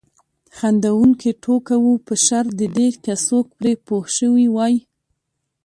خندونکې ټوکه وه په شرط د دې که څوک پرې پوه شوي وای.